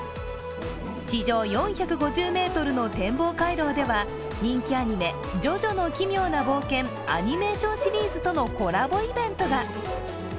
地上４５０ｍの天望回廊では人気アニメ「ジョジョの奇妙な冒険」アニメーションシリーズとのコラボイベントが。